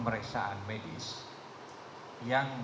omedretai berhad foi nya